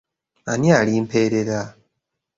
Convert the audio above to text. Ani alimperera?